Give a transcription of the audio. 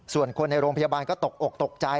ส่วนคนในโรงพยาบาลก็ตกอกตกใจ